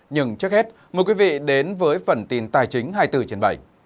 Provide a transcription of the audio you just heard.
nhưng trước hết mời quý vị đến với phần tin tài chính hai mươi bốn trên bảy